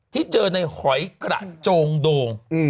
ที่เจอในหอยกระโจงโดง